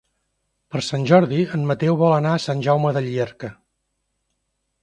Per Sant Jordi en Mateu vol anar a Sant Jaume de Llierca.